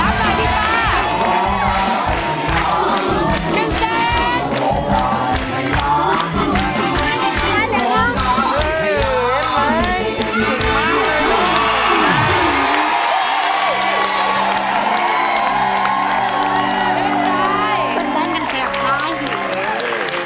สะดาดทุกคน